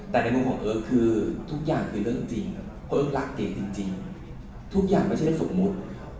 แต่ในมุมของเอิร์ทคือทุกอย่างคือเรื่องจริงครับเอิร์กรักเก๋จริงทุกอย่างไม่ใช่สมมุติ